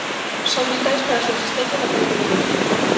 Son vitais para a subsistencia da produción.